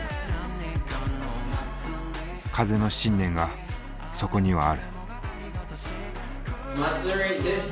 風の信念がそこにはある。